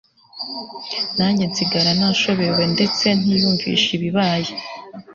nanjye nsigara nashobewe ndetse ntiyumvisha ibibaye